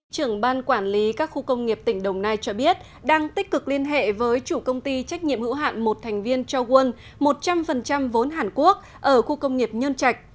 trưởng ban quản lý các khu công nghiệp tỉnh đồng nai cho biết đang tích cực liên hệ với chủ công ty trách nhiệm hữu hạn một thành viên cho world một trăm linh vốn hàn quốc ở khu công nghiệp nhân trạch